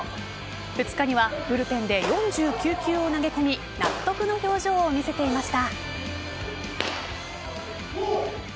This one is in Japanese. ２日にはブルペンで４９球を投げ込み納得の表情を見せていました。